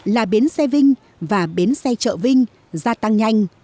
là bến xe vinh và bến xe trợ vinh gia tăng nhanh